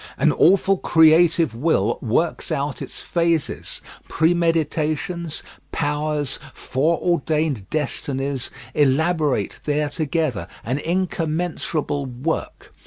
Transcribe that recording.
An awful creative will works out its phases. Premeditations, Powers, fore ordained Destinies, elaborate there together an incommensurable work.